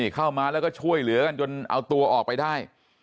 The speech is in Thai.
เข้ามาแล้วก็ช่วยเหลือกันจนเอาตัวออกไปได้